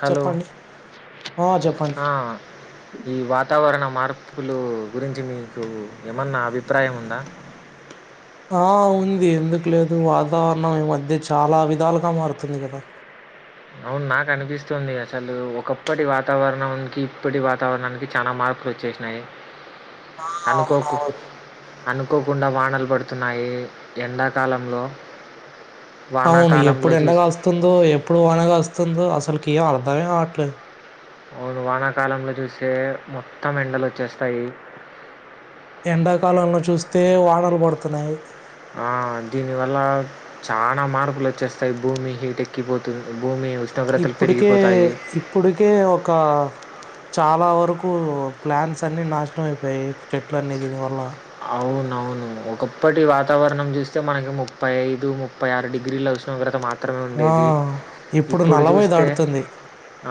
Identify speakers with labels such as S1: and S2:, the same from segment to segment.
S1: Hello
S2: చెప్పండి ఆ చెప్పండి
S1: ఆ ఈ వాతావరణ మార్పులు గురించి మీకు ఏమన్నా అభిప్రాయం ఉందా
S2: ఆ ఉంది ఎందుకు లేదు వాతావరణం ఈ మధ్య చాలా విధాలుగా మారుతుంది కదా
S1: అవును నాకు అనిపిస్తుంది అసలు ఒకప్పటి వాతావరణానికి ఇప్పటి వాతావరణానికి చాలా మార్పు వచ్చేసినాయి అనుకోకున్
S2: అవునవును
S1: అనుకోకుండా వానలు పడుతున్నాయి ఎండాకాలంలో
S2: అవును
S1: వానాకాలంలో
S2: ఎప్పుడు ఎండ
S1: చూస్
S2: గాస్తుందో ఎప్పుడు వన గాస్తుందో అసలుకి ఏం అర్ధమే కావట్లేదు
S1: అవును వానాకాలంలో చూసే మొత్తం ఎండలు వచ్చేస్తాయి
S2: ఎండాకాలంలో చూస్తే వానలు పడుతున్నాయి
S1: ఆ దీనివల్ల చానా మార్పులు వచ్చేస్తాయి భూమి హీటెక్కిపోతుంది భూమి ఉష్ణోగ్రతలు
S2: ఇప్పుటికే
S1: పెరిగిపోతాయి
S2: ఇప్పుటికే ఒక చాలా వరకు ప్లాంట్స్ అన్ని నాశనం అయిపోయయి చెట్లు అన్ని దీని వల్ల
S1: అవునవును ఒకప్పటి వాతావరణం చూస్తే మనకి ముప్పై ఐదు ముప్పై ఆరు డిగ్రీలు ఉష్ణోగ్రత మాత్ర మాత్రమే
S2: ఆ
S1: ఉండేది ఇప్పుడు
S2: నలభై
S1: చూస్తే
S2: దాటుతుంది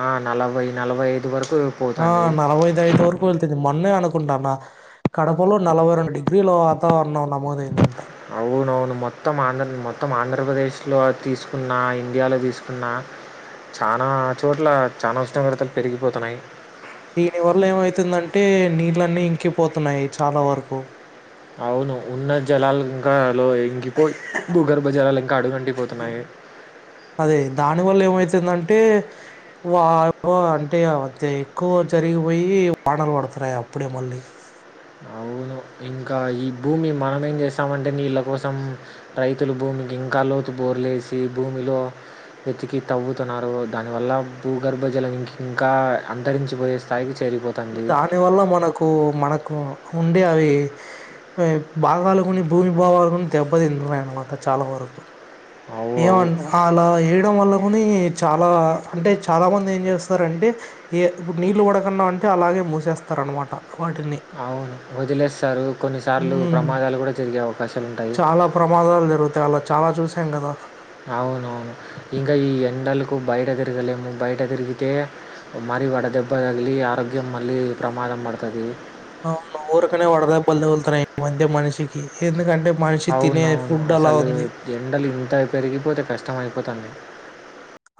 S1: ఆ నలభై నలభై ఐదు వరకు
S2: ఆ
S1: పోతుంది
S2: నలభైదైదు వరకు వెళ్తుంది మొన్నే అనుకుంటా అన్న కడపలో నలభై రెండు డిగ్రీల వాతావరణం నమోదైందంట
S1: అవును అవును మొత్తం ఆంధ్ర మొత్తం ఆంధ్రప్రదేశ్లో తీసుకున్న ఇండియాలో తీసుకున్న చానా చోట్ల చానా ఉష్ణోగ్రతలు పెరిగిపోతున్నాయి
S2: దీని వల్ల ఏమైతుందంటే నీళ్లన్నీ ఇంకిపోతున్నాయి చాలా వరకు
S1: అవును ఉన్న జలాలు ఇంకాలో ఇంకి పో భూగర్భ జలాలు ఇంకా అడుగంటిపోతున్నాయి
S2: అదే దాని వల్ల ఏమైతుందంటే వా అంటే అంతే ఎక్కువ జరిగిపోయి వానలు పడుతున్నాయి అప్పుడే మళ్ళీ
S1: అవును ఇంకా ఈ భూమి మనమేం చేస్తామంటే నీళ్ళ కోసం రైతులు భూమికి ఇంకా లోతు బోర్లే వేసి భూమిలో వెతికి తవ్వుతున్నారు దాని వల్ల భూగర్భజలం ఇంకి ఇంకా అంతరించిపోయే స్థాయికి చేరిపోతంది
S2: దాని వల్ల మనకు మనకు ఉండే అవి భాగాలు కొని భూమి భావాలు కొని దెబ్బతింటున్నాయి అనమాట చాలా వరకు
S1: అవు అవు
S2: ఏమని అలా వేయడం వల్ల కూడా చాలా అంటే చాలా మంది ఏం చేస్తారంటే ఏ ఇప్పుడు నీళ్లు పడకున్నా ఉంటే అలాగే మూసేస్తారనమాట వాటిని
S1: వదిలేస్తారు కొన్నిసార్లు
S2: హ్మ్.
S1: ప్రమాదాలు కూడా జరిగే అవకాశాలు ఉంటాయి
S2: చాలా ప్రమాదాలు జరుగుతాయి అలా చాలా చూసాం కదా
S1: అవునవును ఇంకా ఈ ఎండలకు బయట తిరగలేము బయట తిరిగితే మరి వడ దెబ్బగలీ ఆరోగ్యం మళ్లీ ప్రమాదం పడుతది
S2: అవును ఊరికనే వడ దెబ్బలు తగులుతున్నాయి ఈ మధ్య మనిషికి ఎందుకంటే మనిషి తినే
S1: అవునవును.
S2: ఫుడ్ అలా
S1: అసలు
S2: ఉంది
S1: ఎండలు ఇంత పెరిగిపోతే కష్టమ అయిపోతాంది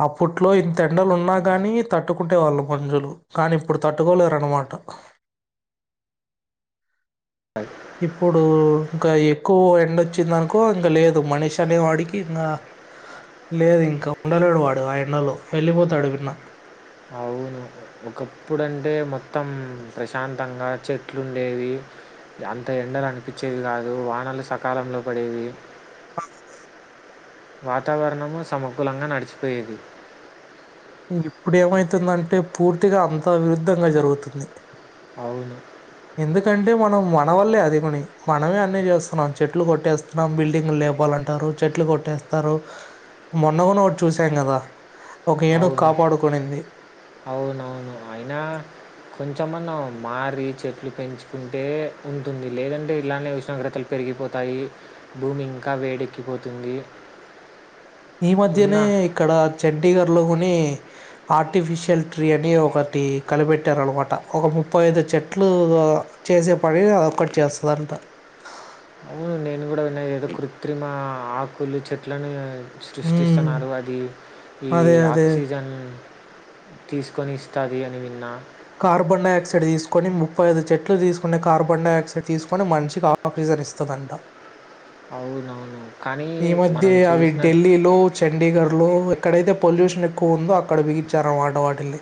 S2: అప్పట్లో ఇంత ఎండలు ఉన్నాగాని తట్టుకుంటే వాళ్ళు మంజులు కానీ ఇప్పుడు తట్టుకోలేరన్నమాట
S1: అ
S2: ఇప్పుడు ఇంకా ఎక్కువ ఎండొచ్చిందనుకో ఇంక లేదు మనీష అనే వాడికి ఇంకా లేదు ఇంకా ఉండలేడు వాడు ఆ ఎండలో వెళ్ళిపోతాడు విన్న
S1: అవును ఒకప్పుడంటే మొత్తం ప్రశాంతంగా చెట్లు ఉండేవి అంత ఎండలు అనిపించేవి కాదు వానలు సకాలంలో పడేవి వాతావరణము సమకూలంగా నడిచిపోయేది
S2: ఇప్పుడు ఏమైతుందంటే పూర్తిగా అంత విరుద్ధంగా జరుగుతుంది
S1: అవును
S2: ఎందుకంటే మనం మన వల్లే అది కొని మనమే అన్నీ చేస్తున్నాం చెట్లు కొట్టేస్తుం నా బిల్డింగ్ లేపాలంటారు చెట్లు కొట్టేస్తారు మొన్న కూడను ఒకటి చూసాం కదా ఒక ఏనుగు
S1: అవును
S2: కాపాడుకునింది
S1: అవునవును అయినా కొంచెంమన్న మారి చెట్లు పెంచుకుంటే ఉంటుంది లేదంటే ఇలానే ఉష్ణోగ్రతలు పెరిగిపోతాయి భూమి ఇంకా వేడెక్కిపోతుంది
S2: ఈ మధ్యనే
S1: ఉన్న
S2: ఇక్కడ చండీగఢలోని ఆర్టిఫిషియల్ ట్రీ అని ఒకటి కలిపెట్టారు అనమాట ఒక ముప్పై ఐదు చెట్లు చేసే పనిని అదోక్కటి చేస్తుందింట
S1: అవును నేను కూడా విన్నా ఏదో కృత్రిమ ఆకులు చెట్లలను
S2: ఉమ్
S1: సృష్టిస్తున్నారు అది ఈ
S2: అదే అదే
S1: ఆక్సిజన్ తీసుకొని ఇస్తాది అని విన్నా
S2: కార్బన్ డైఆక్సైడ్ తీసుకొని ముప్పై ఐదు చెట్లు తీసుకునే కార్బన్ డై ఆక్సైడ్ తీసుకొని మనిషికి ఆక్సిజన్ ఇస్తుందంట
S1: అవునవును కానీ
S2: ఈ మధ్య
S1: మనం
S2: అవి
S1: చూసిన
S2: ఢిల్లీలో చండీగఢ్ లో ఎక్కడైతే పొల్యూషన్ ఎక్కువ ఉందో అక్కడ బిగించారు. ఆట వాటిని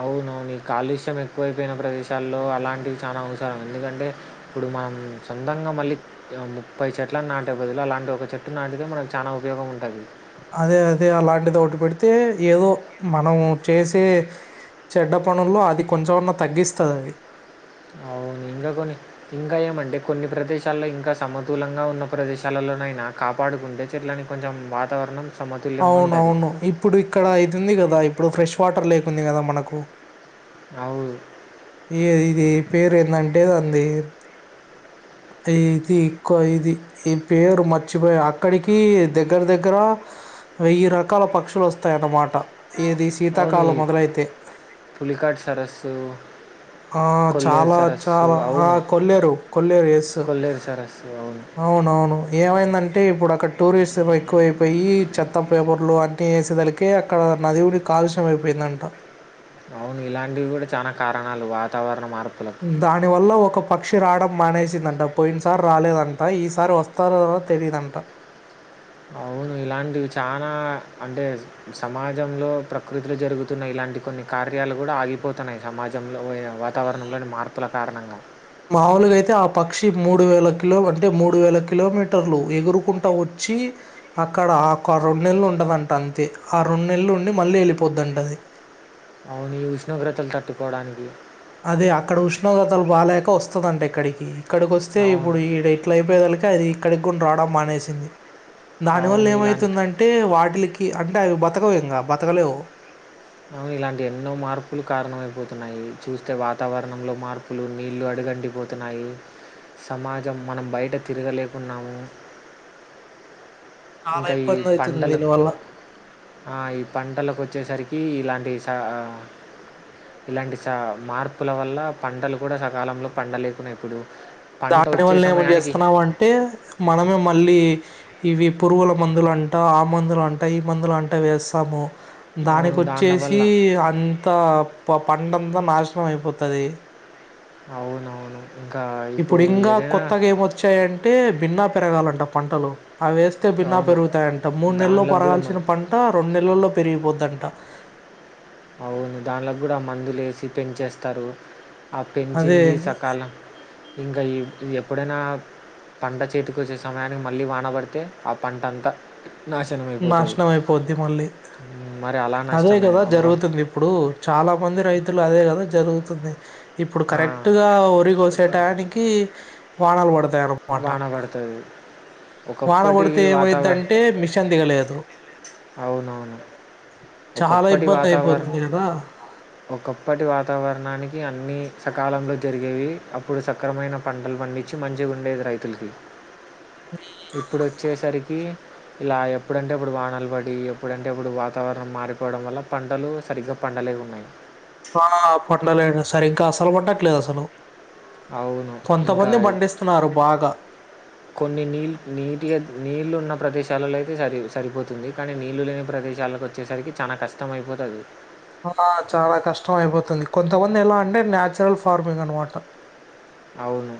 S1: అవునవు నీ కాలుష్యం ఎక్కువైపోయిన ప్రదేశాల్లో అలాంటివి చాలా అవసరం ఎందుకంటే ఇప్పుడు మనం సొంతంగా మళ్ళీ ముప్పై చెట్లను నాటే బదులు అలాంటి ఒక చెట్టు నాటితే మనకు చాలా ఉపయోగం ఉంటుంది.
S2: అదే అదే అలాంటిది ఒటి పెడితే ఏదో మనం చేసే చెడ్డ పనుల్లో అది కొంచెమన్నా తగ్గిస్తుంది. అది
S1: అవును. ఇంకా కొన్ని ఇంకా ఏమంటే కొన్ని ప్రదేశాల్లో ఇంకా సమతూలంగా ఉన్న ప్రదేశాలలోనైనా కాపాడుకుంటే చెట్లని కొంచెం వాతావరణం సమతుల్యంగా ఉంటది.
S2: అవునవును ఇప్పుడు ఇక్కడ అయితుంది కదా ఇప్పుడు ఫ్రెష్ వాటర్ లేకుంది కదా మనకు
S1: అవు
S2: ఈ ఇది పేరు ఏందంటేది అంది ఇది ఇక్కువ ఇది ఈ పేరు మర్చిపోయ అక్కడికి దగ్గర దగ్గర వెయ్యి రకాల పక్షులు వస్తాయన్నమాట. ఏది
S1: అవును. ఈ
S2: శీతాకాలం మొదలైతే
S1: పులికాట్ సరస్సు
S2: ఆ
S1: కొల్లేరు
S2: చాలా
S1: సరస్సు
S2: చాలా ఆ
S1: అవును.
S2: కొల్లేరు కొల్లేరు ఎస్
S1: కొల్లేరు సరస్సు అవును.
S2: అవునవును ఏమైందంటే ఇప్పుడు అక్కడ టూరిస్ట్ ఎక్కువయిపోయి చెత్త పేపర్లు అ పట్ చేసేదలకే అక్కడ నదివుడి కాలుష్యం అయిపోయిందంట.
S1: అవును ఇలాంటివి కూడా చాలనా కారణాలు వాతావరణ మార్పుల
S2: దాని వల్ల ఒక పక్షి రావడం మానేసిందంట పోయిన సారి రాలేదంట. ఈసారి వస్తాదొ రాదో తెలిదంట
S1: అవును ఇలాంటివి చాలా అంటే సమాజంలో ప్రకృతిలు జరుగుతున్న ఇలాంటి కొన్ని కార్యాలు కూడా ఆగిపోతున్నాయి. సమాజంలో వాతావరణంంలోని మార్పుల కారణంగా
S2: మాముూలుగా అయితే ఆ పక్షి మూడు వేల కిలో అంటే మూడు వేల కిలోమీటర్లు ఎగురుకుంటా వచ్చి అక్కడ ఒక రెండు నెలలు ఉంటదంట. అంతే ఆ రెండుెలలు ఉండి మళ్ళీ వెళ్ళి పోతాదంట
S1: అవును ఈ ఉష్ణోగ్రతలు తట్టుకోవడానికి
S2: అదే అక్కడ ఉష్ణోగ్రతలు బాగాలేక వస్తదంట ఇక్కడికి ఇక్కడికి వస్తే
S1: అవును.
S2: ఇప్పుడు ఈ ఇట్లా అయిపోయ కలక అది ఇక్కడికిగు రావడం మానేసింది. దాని వల్ల
S1: అవును ఇలాంటి
S2: ఏమైతుందంటే అంటే వాటికి అంటే అవి బతకవు ఇంగా బతకలేవు
S1: అవును ఇలాంటి ఎన్నో మార్పులు కారణమైపోతున్నాయి. చూస్తే వాతావరణంలో మార్పు అప్పులు నీళ్లు అడగండిపోతున్నాయి. సమాజం మనం బయట తిరగలేకున్నాము.
S2: చాలా
S1: ఇంకా ఈ
S2: ఇబ్బంది అవుతుంది
S1: పంటలు
S2: దీనివల్ల
S1: ఈ పంటలకు వచ్చేసరికి ఇలాంటి ఇలాంటి స మార్పుల వల్ల పంటలు కూడా సకాలంలో పండ లేకున్నాయి. ఇప్పుడు పంట
S2: దాని
S1: వచ్చే
S2: వల్ల ఏమం
S1: సమయానికి
S2: చేస్తున్నావు అంటే మనమే మళ్ళీ ఇవి పురుగుల మందులుంట ఆ మందులు అంట ఈ మందులు అంటా వేస్తాము.
S1: అవును దాన్ల
S2: దానికోచ్చేసి
S1: వల్ల
S2: అంత పంటంతా నాశనం అయిపోతది
S1: అవునవును ఇంకా ఇప్పుడు ఏదైనా
S2: వచ్చాయంటే భిన్నా పెరగాలంట పంటలు అవిేస్త తే భిన్న
S1: అవును
S2: పెరుగుతాయంట. మూడు నెలల్లో
S1: దాంట్లోకి కూడా మన్
S2: పేరగాల్సిన పంట రెండు నెలల్లో పెరిగిపోద్ద్దంట
S1: అవును దానిలో కూడా మందులు వేసి పెంచంచేస్తారు. ఆ
S2: అదే
S1: పెంచింది. సకాలం ఇంకా ఎప్పుడైనా పంట చేతికి వచ్చే సమయానికి మళ్ళీ వానబడితే ఆ పంట అంతా నాశనం అయిపోతుది.
S2: నాశనం అయిపోద్ది మళ్ళీ
S1: మరి అలా నష్టమే వంగం
S2: ంది ఇప్పుడు చాలా మంది రైతులు అదే కదా జరుగుతుంది. ఇప్పుడు
S1: ఆ,
S2: కరెక్ట్గా వరి కోసేటయన్కి వానలు పడతాయిన్నమాట
S1: త్ ఓ
S2: వాన కొడితే ఏమైదంటే మిషన్ దిగలేదు
S1: అవునవును
S2: చాలా
S1: ఒకప్పటి
S2: ఇబ్బంది
S1: వాతావరణం
S2: అయిపోతుంది కదా
S1: ఒకప్పటి వాతావరణానికి అన్ని సకాలంలో జరిగేవి అప్పుడు సక్రమైన పంటలు పండించి మంచిగుండేది రైతుల్కి
S2: ఆ
S1: ఇప్పుడు వచ్చేసరికి ఇలా ఎప్పుడంటే ఆప్పుడు వాన్లు పడ్ ఇ ఎప్పుడంటే ఆప్పుడు వాతావరణం మారిపోవడం వల్ల పంటలు సరిగ్గా పండలేకున్నాయి
S2: ఆ పట్టలేండి సరే ఇంకా అసలు పడట్లేదు అసలు
S1: అవును ఇంకా
S2: కొంతమంది పండిస్తున్నారు బాగా
S1: కొన్ని నీళ్ళు నీటిగా నీళ్ళు ఉన్న ప్రదేశాలలో అయితే సరి సరిపోతుంది కానీ నీళ్ళు లేని ప్రదేశాలకు వ వచ్చేసర్కి చానా కష్టం అయిపోతది
S2: ఆ చాలా కష్టం అయిపోతుంది కొంతమంది ఎలా అంటే నేచ్రల్ ఫార్మింగ్ అనమాట
S1: అవును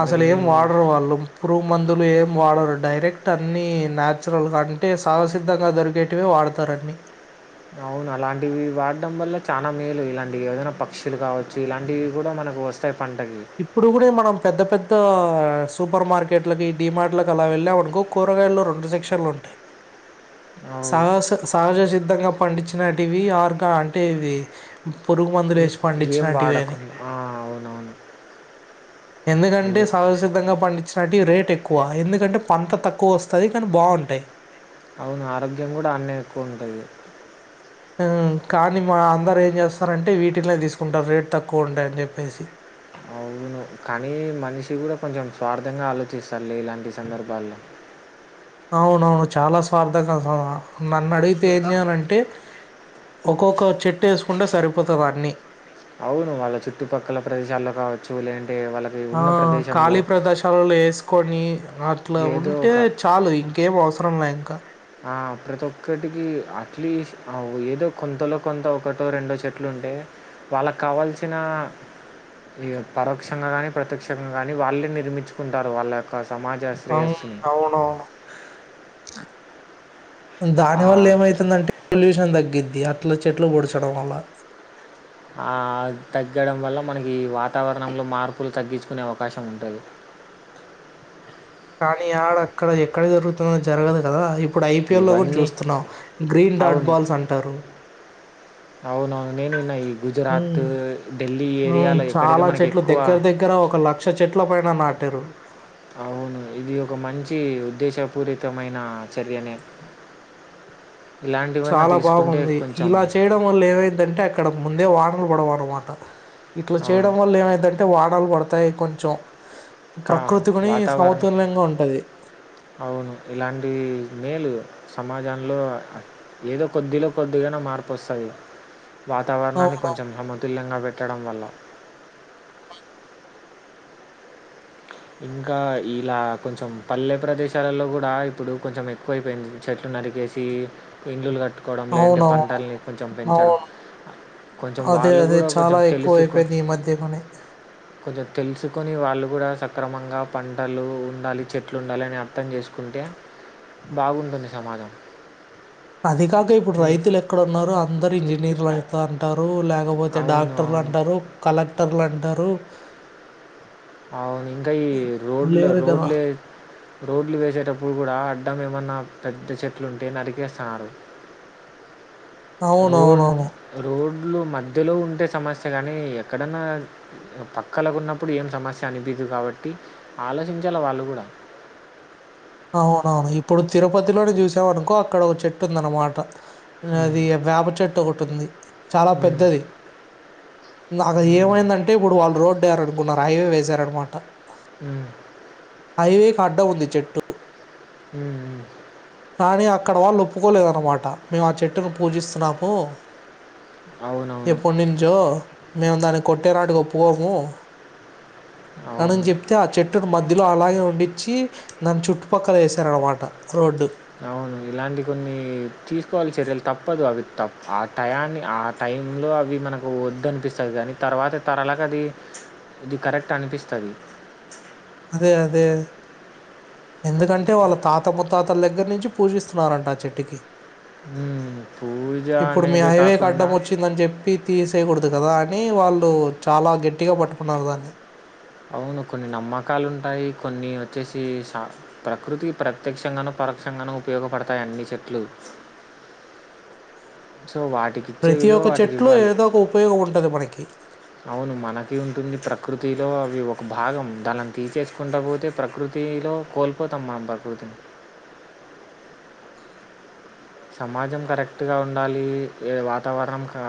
S2: అస్సలేం వాడరు వాళ్ళు పురువ్ మందులు ఏం వాడరు డైరెక్ట్ అన్నీ నచురల్గా అంటే సహవసిద్ధంగా దొరికేటవి వాడత తరాన్ని
S1: అవును అలాంటివి వాడ్డం వల్ల చాలా మేలు ఇలాంటివి ఏదైనా పక్షులు కావచ్చు ఇలాంటివి కూడా మనకు వస్తాయి ఇస్తయి పండగ్లు
S2: ఇప్పుడు కూడా మనం పెద్ద పెద్ద సూపర్ మార్కెట్లకి డిమార్ట్లకి అలా వెళ్ళామనుకో కూరగాయలో రెండు సెక్షన్లు ఉంటాయి
S1: అవు
S2: సహస సహజసిద్ధంగా పండించిన టివి ఆర్గా అంటే ఇవి పురుగు మందులు వేసి
S1: ఏం
S2: పండించినట్టు అని
S1: వాడకుండా ఆ, అవునవును
S2: ఎందుకంటే
S1: అదే
S2: సహసిద్ధంగా పండించ అలాంటివి రేట్ ఎక్కువ ఎందుకంటే పంట తక్కువ వస్తయి కానీ బాగుంటాయి
S1: అవును ఆరోగ్యం కూడా అన్న ఎక్కువ ఉంటుంది
S2: కానీ మా అందరూ ఏం చేస్తారంటే వీటినే తీస్కుంటారు రేట్ తక్కువ ఉంటాయని చెప్పేసి
S1: అవును కానీ మనిషి కూడా కొంచెం స్వార్థంగా ఆలోచిస్తారులే ఇలాంటి సందర్భాల్లో
S2: అవునవును చాలా స్వార్థంగా నన్ను అడిగితే
S1: శ్వేత.
S2: ఏంయాలంటే ఒక్కొక్క చెట్టు ఎస్కుంటే సరిపోతది అన్నీ
S1: అవును వాళ్ళ చుట్టుపక్కల ప్రదేశాల్లో కావచ్చు లేంటే వాళ్ళ
S2: ఆ ఖాళీ ప్రదేశం చలు వేస్కొని అట్లా
S1: ఏదో
S2: ఉంటే
S1: ఒక
S2: చాలు ఇంకేం అవసరం లే ఇంకా
S1: ఆ ప్రతి ఒక్కటికి అట్లీస్ ఏదో కొంతలో కొంత ఒకటో రెండో చెట్లుంటే వాళ్ళక్ కావాల్సిన ఈ పరోక్షంగా గాని ప్రత్యక్షంగా ని వాళ్ళే నిర్మించుకుంటారు వాళ్ళ యొక్క సమాజ
S2: అవున్
S1: శ్రేయస్సుని.
S2: ఔను
S1: ఆ
S2: దానివల్ల ఏమైతుందంటే పొల్యూషన్ తగ్గిద్ది అట్ల చెట్లు పొడ్చడం వల్ల
S1: ఆ తగ్గడం వల్ల మనకి వాతావరణంలో మార్పులు తగ్గించుకునే అవకాశం ఉంటది
S2: కానీ ఆడ అక్కడ ఎక్కడ జరుగుతున్నో జరగదు కదాప్పు ఇప్పుడు ఐపిఎల్ లో కూడా
S1: ఇవన్నీ
S2: చూస్తున్నాం గ్రీన్ డాట్ బాల్స్ అంటారు
S1: అవునవు నేనున్న ఈ
S2: హ్మ్.
S1: గుజరాత్, ఢిల్లీ
S2: హ్మ్.
S1: ఏరియాలో ఎక్కడైతే
S2: చాలా
S1: మనకి
S2: చెట్లు
S1: ఎక్కువ
S2: దగ్గర దగ్గర ఒక లక్ష చెట్లు పైన నాటారు.
S1: అవును, ఇది ఒక మంచి ఉద్దేశపూరితమైన చర్యనే ఇలాంటివన్నా తీసుకుంటే కొంచెం
S2: డం వల్ల ఏమైధ్దంటే అక్కడ ముందే వానలు పడవన్నమాట, ఇట్లా
S1: అవును
S2: చేయడం వల్ల ఏమైద్దంటే అంటే వానలు పడతాయి కొంచెం
S1: ఇంకా
S2: ప్రకృతి గునీ
S1: వాతావరణం
S2: సమతుల్యంగా ఉంటది.
S1: అవును ఇలాంటి మేలు సమాజంలో ఏదో కొద్దిలో కొద్దిగన్నా మార్పొస్తది. వాతావరణాన్ని
S2: అవును
S1: కొంచెం సమతుల్యంగా పెట్టడం వల్ల ఇంకా ఇలా కొంచెం పల్లె ప్రదేశాలలో కూడా ఇప్పుడు కొంచెం ఎక్కువైపోయింది చెట్లు నరికే వచ్చి ఇండ్లులు కట్టుకోవడం లేదంటే
S2: అవునవును
S1: పంటలని కొంచెం పెంచడం
S2: అవును
S1: కొంచెం
S2: అదే
S1: వాళ్ళు
S2: అదే
S1: కూడా కొంచెం
S2: చాలా ఎక్కువ
S1: తెలుసుకు
S2: అయిపోయింది ఈ మధ్య కొని
S1: కొంచెం తెలుసుకొని వాళ్ళు కూడా సక్రమంగా పంటలు ఉండాలి, చెట్లు ఉండాలి అని అర్థం చేసుకుంటే బాగుంటుంది సమాజం.
S2: అదీకాక ఇప్పుడు
S1: ఉమ్,
S2: రైతులు ఎక్కడున్నారు, అందరూ ఇంజనీర్లు అయితా అంటారు లే లేకపోతే
S1: అవును
S2: డాక్టర్లు
S1: అవును
S2: అంటారు, కలెక్టర్లు అంటారు.
S1: అవును ఇంకా ఈ రోడ్లు
S2: లేరు కదా
S1: రోడ్లే రోడ్లు వేసేటప్పుడు కూడా అడ్డం ఏమన్నా పెద్ద చెట్లుంటే నరికేస్తాన్నారు. రోడ్
S2: అవునవునవును
S1: రోడ్లు మధ్యలో ఉంటే సమస్య కానీ ఎక్కడన్నా పక్కలకు ఉన్నప్పుడు ఏం సమస్య అనిపియ్యదు కాబట్టి ఆలోచించాలి వాళ్ళు కూడా
S2: అవునవును ఇప్పుడు తిరుపతిలోనే చూసామనుకో అక్కడ ఒక చెట్టు ఉంది అనమాట
S1: ఉమ్,
S2: అది వేపచెట్టు ఒకటి ఉంది చాలా
S1: ఉమ్,
S2: పెద్దది నాకు అది
S1: ఉమ్,
S2: ఏమైందంటే అంటే ఇప్పుడు వాళ్ళు రోడ్ వెయ్యాలనుకున్నారు, హైవే వేశారన్నమాట.
S1: హుమ్
S2: హైవే కి అడ్డం ఉంది ఈచెట్టు.
S1: ఉమ్
S2: కానీ అక్కడవాళ్ళు ఒప్పుకోలేదనమాట, మేము ఆ చెట్టును పూజిస్తున్నాము.
S1: అవునవును
S2: ఎప్పుడునుంచో, మేము దాన్ని కొట్టేనాటికి ఒపుకోము.
S1: అవును
S2: అనని చెప్తే ఆ చెట్టు చెట్టుని మధ్యలో అలాగే ఉండించి దాని చుట్టుపక్కల వేశారనమాట రోడ్డు
S1: అవును ఇలాంటి కొన్ని తీసుకోవాలి చర్యలు తప్పదు అవి తప్ప ఆ టయాన్ని ఆ టైంలో అవి మనకు వద్దనిపిస్తది కానీ తర్వాత తరాలకి అది ఇది కరెక్ట్ అనిపిస్తది.
S2: అదే అదే ఎందుకంటే వాళ్ళ తాతముత్తాతల దగ్గర నుంచి పూజిస్తున్నారంట ఆ చెట్టుకి
S1: పూజ
S2: ఇప్పుడు మీ
S1: అనేదే
S2: హైవేకి
S1: కాకుండా
S2: ఆడ్డం వచ్చిందని చెప్పి తీసేయకూడదు కదా అని వాళ్ళు చాలా గట్టిగా పట్టుకున్నారు దాన్ని
S1: అవును కొన్ని నమ్మకాలు ఉంటాయి, కొన్ని వచ్చేసి సా ప్రకృతికి ప్రత్యక్షంగానూ పరోక్షంగానూ ఉపయోగపడతాయి అన్ని చెట్లు సో వాటికి
S2: ప్రతి ఒక్క చెట్లో ఏదో ఒక ఉపయోగం ఉంటది మనకి
S1: అవును మనకీ ఉంటుంది ప్రకృతిలో అవి ఒక భాగం, దాన్నలా తీసేసుకుంటా పోతే ప్రకృతిలో కోల్పోతాం మనం ప్రకృతిని సమాజం కరెక్ట్గా ఉండాలి ఏ వాతావరణం కా